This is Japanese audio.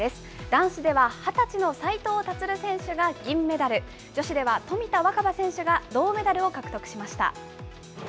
男子では２０歳の斉藤立選手が銀メダル、女子では冨田若春選手が銅メダルを獲得しました。